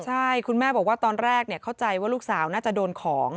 ใช่คุณแม่บอกว่าตอนแรกเข้าใจว่าลูกสาวน่าจะโดนของ